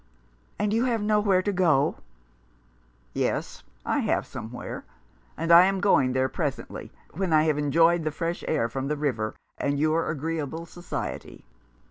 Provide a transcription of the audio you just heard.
And you have nowhere to go ?"" Yes, I have somewhere — and I am going there presently, when I have enjoyed the fresh air from the river — and your agreeable society."